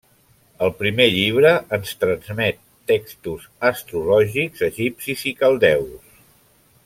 El primer llibre ens transmet textos astrològics egipcis i caldeus.